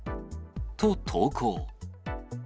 と投稿。